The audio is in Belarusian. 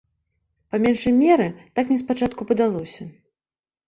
Па меншай меры, так мне спачатку падалося.